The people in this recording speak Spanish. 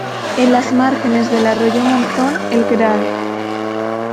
En las márgenes del arroyo Monzón, el Gral.